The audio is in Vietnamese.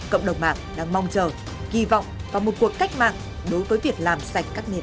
cộng đồng mạng đang mong chờ kỳ vọng vào một cuộc cách mạng đối với việc làm sạch các nền tảng xã hội